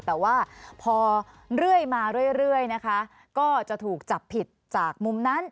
แต่ว่าพอเรื่อยมาเรื่อยนะคะก็จะถูกจับผิดจากมุมนั้น